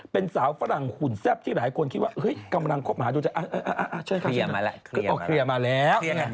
เป็นสาวฝรั่งหุ่นแซ่บที่หลายคนคิดว่ากำลังคบหาดูจิต